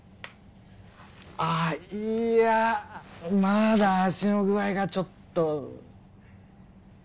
あっいやまだ足の具合がちょっと。